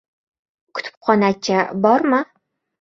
— Kutubxonachi bormi?